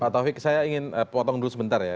pak taufik saya ingin potong dulu sebentar ya